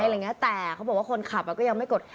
ให้คนขับกดเมตเตอร์โดยไม่กด